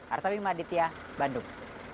artabim aditya bandung